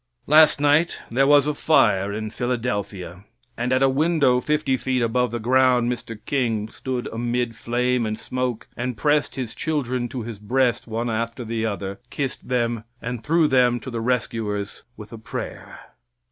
Last night there was a fire in Philadelphia, and at a window fifty feet above the ground Mr. King stood amid flame and smoke and pressed his children to his breast one after the other, kissed them, and threw them to the rescuers with a prayer.